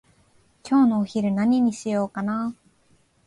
今日のお昼何にしようかなー？